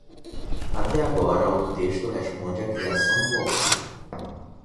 Até agora, o texto responde à criação do autor.